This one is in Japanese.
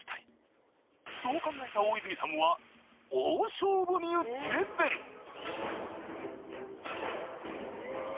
［そう考えた大泉さんは大勝負に打って出る］